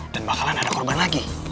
dan bakalan ada korban lagi